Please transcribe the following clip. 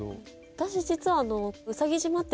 私実は。